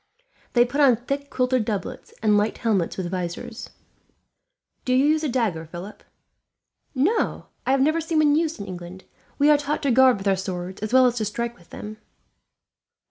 They put on thick quilted doublets, and light helmets with visors. "Do you use a dagger, Philip?" "No, I have never seen one used in England. We are taught to guard with our swords, as well as to strike with them."